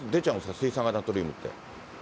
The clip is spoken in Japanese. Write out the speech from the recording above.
水酸化ナトリウムって。